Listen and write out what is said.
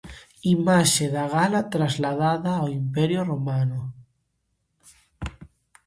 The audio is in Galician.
Imaxe da gala trasladada ao imperio romano.